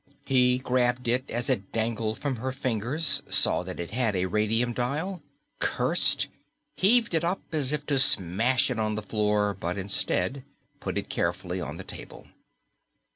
He grabbed it as it dangled from her fingers, saw that it had a radium dial, cursed, heaved it up as if to smash it on the floor, but instead put it carefully on the table.